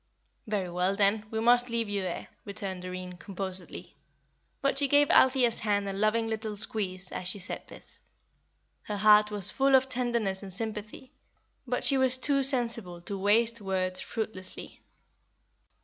"Very well, then, we must leave you there," returned Doreen, composedly; but she gave Althea's hand a loving little squeeze as she said this. Her heart was full of tenderness and sympathy, but she was too sensible to waste words fruitlessly.